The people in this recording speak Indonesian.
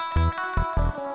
bu yola pak sain